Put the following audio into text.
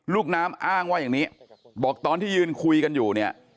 ลูกน้ำอ้างว่าอย่างนี้บอกตอนที่ยืนคุยกันอยู่เนี่ย